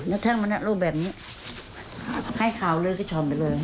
แล้วท่านมาเนี่ยรูปแบบนี้ให้ข่าวเลยก็ช่อนไปเลย